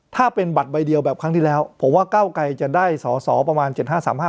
ถ้าเป็นบัตรใบเดียวแบบครั้งที่แล้วผมว่าก้าวไกรจะได้สอสอประมาณ๗๕๓๕